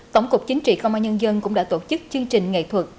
tổng cục chính trị công an nhân dân cũng đã tổ chức chương trình nghệ thuật